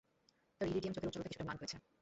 তার ইরিডিয়াম চোখের উজ্জ্বলতা কিছুটা ম্লান হয়েছে।